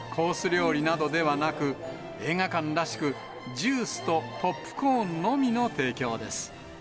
料理などではなく、映画館らしく、ジュースとポップコーンのみの提供です。